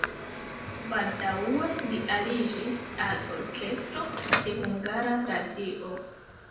Baldaŭe li aliĝis al orkestro de Hungara Radio.